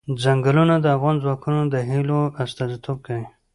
ځنګلونه د افغان ځوانانو د هیلو استازیتوب کوي.